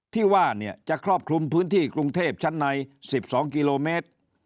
ที่ว่าจะครอบคลุมพื้นที่กรุงเทพชั้นใน๑๒กิโลเมตร